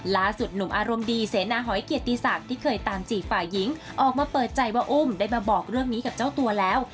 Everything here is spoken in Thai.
ล่าสุดหนุ่มอารมณ์ดีเสนาหอยเกียรติศักดิ์ที่เคยตามจีบฝ่ายหญิงออกมาเปิดใจว่าอุ้มได้มาบอกเรื่องนี้กับเจ้าตัวแล้ว